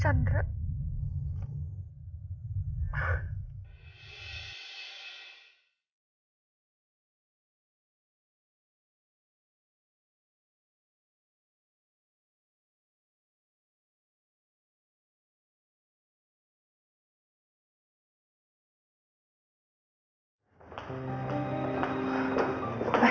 kehangatan ya allah